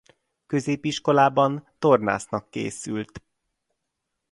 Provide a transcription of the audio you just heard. Középiskolában tornásznak készült.